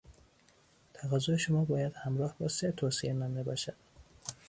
تقاضای شما باید همراه با سه توصیهنامه باشد.